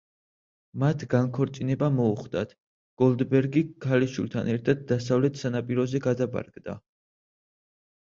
მათ განქორწინება მოუხდათ, გოლდბერგი ქალიშვილთან ერთად დასავლეთ სანაპიროზე გადაბარგდა.